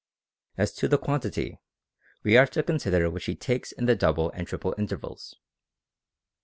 As to the quan tity, we are to consider which he takes in the double and triple intervals.